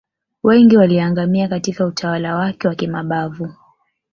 wengi waliangamia Katika utawala wake wa kimabavu